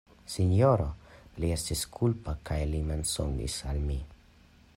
Sinjoro Li estis kulpa kaj li mensogis al mi!